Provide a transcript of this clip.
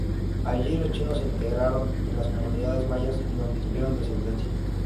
Allí los chinos se integraron en las comunidades mayas, donde tuvieron descendencia.